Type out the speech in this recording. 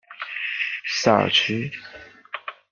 萨尔屈。